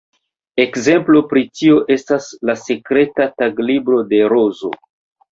Ekzemplo pri tio estas ""La Sekreta Taglibro de Rozo"".